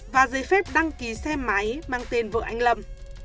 và giấy phép đăng ký xe máy mang tên vợ anh lâm